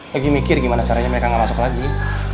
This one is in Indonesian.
lagi mikir gimana caranya mereka nggak masuk lagi